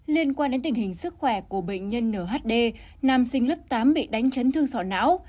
liên quan đến tình hình sức khỏe của bệnh nhân nhd nam sinh lớp tám bị đánh chấn thương sọ não